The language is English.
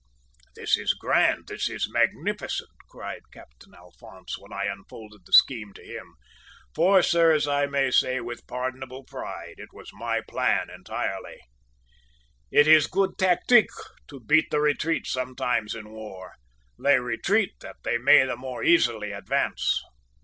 "`This is grand! this is magnificent!' cried Captain Alphonse, when I unfolded this scheme to him; for, sirs, I may say with pardonable pride, it was my plan entirely. `It is good tactique to beat the retreat sometimes in war. They retreat that they may the more easily advance!'